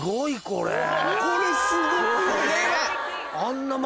これすごい。